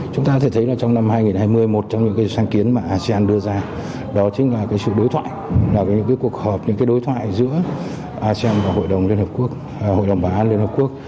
chúng ta có thể thấy trong năm hai nghìn hai mươi một trong những sáng kiến mà asean đưa ra đó chính là sự đối thoại những cuộc họp những đối thoại giữa asean và hội đồng bảo an liên hợp quốc